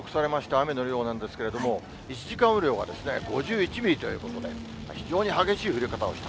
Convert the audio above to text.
雨の量なんですけれども、１時間雨量が５１ミリということで、非常に激しい降り方をした。